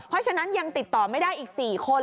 เพราะฉะนั้นยังติดต่อไม่ได้อีก๔คน